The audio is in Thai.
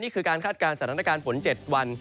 การคาดการณ์สถานการณ์ฝน๗วัน